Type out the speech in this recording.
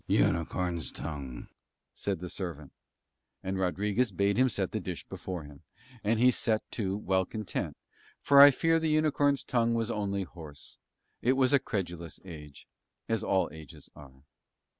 "Unicorn's tongue," said the servant, and Rodriguez bade him set the dish before him, and he set to well content, though I fear the unicorn's tongue was only horse: it was a credulous age, as all ages are.